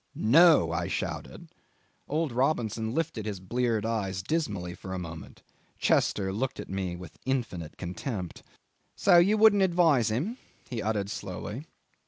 "No!" I shouted. Old Robinson lifted his bleared eyes dismally for a moment, Chester looked at me with infinite contempt. "So you wouldn't advise him?" he uttered slowly.